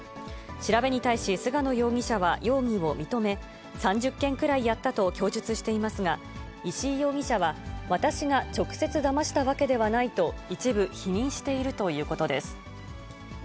調べに対し菅野容疑者は容疑を認め、３０件くらいやったと供述していますが、石井容疑者は、私が直接だましたわけではないと、一部否認しているということです。